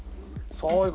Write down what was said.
そういう事。